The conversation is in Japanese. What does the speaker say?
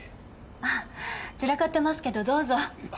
ああ散らかってますけどどうぞ。